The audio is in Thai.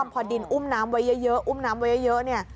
พอดินอุ้มน้ำไว้เยอะอุ้มน้ำไว้เยอะเนี่ย